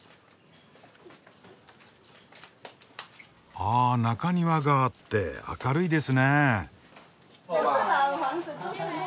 ああ中庭があって明るいですねえ。